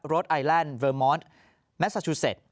โรดไอลันด์เวอร์มอร์ตแมซาชูเซต